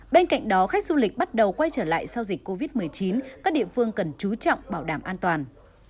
bên cạnh đó khách du lịch bắt đầu quay trở lại sau dịch covid một mươi chín các địa phương cần chú trọng bảo đảm an toàn